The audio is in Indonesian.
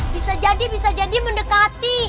bisa jadi bisa jadi mendekati